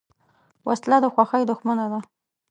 وسله د خوښۍ دښمن ده